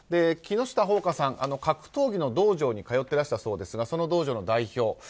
木下ほうかさん、格闘技の道場に通っていらしたそうですがその道場の代表。